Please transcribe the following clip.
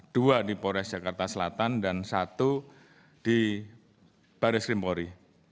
dua di pores jakarta selatan dan satu di baris krimpori